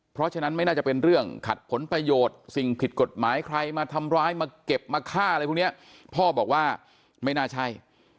เพราะฉะนั้นไม่น่าจะเป็นเรื่องขัดผลประโยชน์สิ่งผิดกฎหมายใครมาทำร้ายมาเก็บมาฆ่าอะไรพวกเนี้ยพ่อบอกว่าไม่น่าใช่